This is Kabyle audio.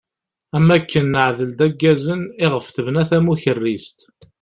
Am akken neɛdel-d aggazen iɣef tebna tamukerrist.